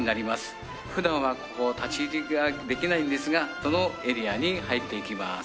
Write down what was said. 普段はここ立ち入りができないんですがそのエリアに入っていきます。